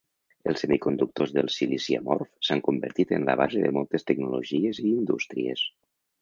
Els semiconductors del silici amorf s'han convertit en la base de moltes tecnologies i indústries.